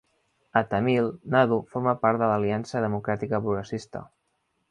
A Tamil, Nadu forma part de l'Aliança democràtica progressista.